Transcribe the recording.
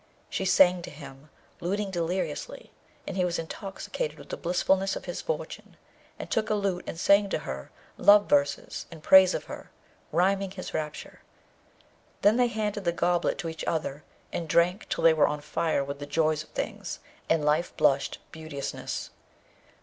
She sang to him, luting deliriously; and he was intoxicated with the blissfulness of his fortune, and took a lute and sang to her love verses in praise of her, rhyming his rapture. Then they handed the goblet to each other, and drank till they were on fire with the joy of things, and life blushed beauteousness.